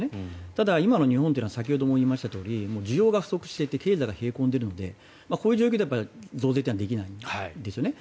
ただ、今の日本というのは先ほども言いましたように需要が不足していて経済が冷え込んでいるのでこの状況では増税というのはできないですよね。